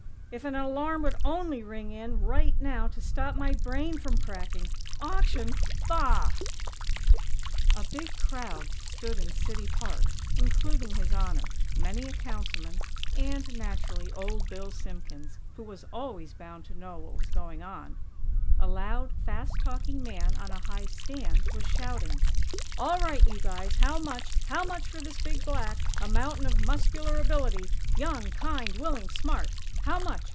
If an alarm would only ring in, right now, to stop my brain from cracking! Auction! Bah!!" A big crowd stood in City Park, including His Honor, many a Councilman, and, naturally, Old Bill Simpkins, who was always bound to know what was going on. A loud, fast talking man, on a high stand, was shouting: "All right, you guys! How much? How much for this big black? A mountain of muscular ability! Young, kind, willing, smart! How much?